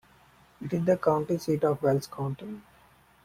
It is the county seat of Wells County.